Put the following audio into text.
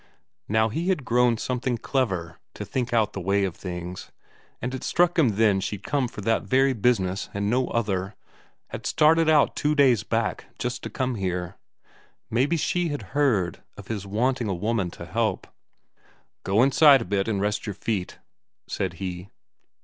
Now he had grown something clever to think out the way of things, and it struck him then she'd come for that very business and no other; had started out two days back just to come here. Maybe she had heard of his wanting a woman to help. "Go inside a bit and rest your feet," said he.